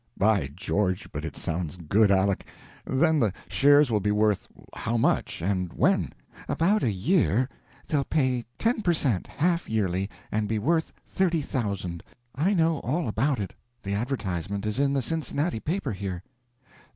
"By George, but it sounds good, Aleck! Then the shares will be worth how much? And when?" "About a year. They'll pay ten per cent. half yearly, and be worth thirty thousand. I know all about it; the advertisement is in the Cincinnati paper here."